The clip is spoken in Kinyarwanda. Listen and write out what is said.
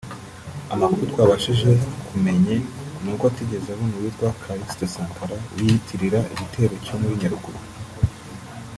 Amakuru twabashije kumenye nuko atigeze abona uwitwa Calixte Sankara wiyitirira igitero cyo muri Nyaruguru